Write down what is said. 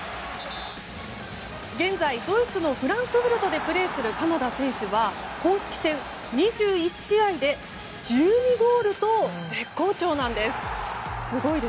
現在、ドイツのフランクフルトでプレーする鎌田選手は公式戦２１試合で１２ゴールと絶好調なんです。